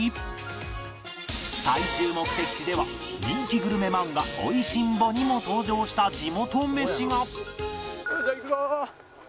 最終目的地では人気グルメ漫画『美味しんぼ』にも登場した地元メシが！